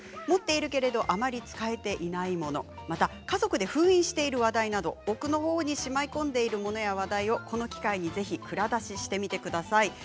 持っているけどあまり使えていないものまた家族で封印している話題など奥のほうにしまい込んでいるものや、話題をこの機会にぜひ蔵出ししてみてください。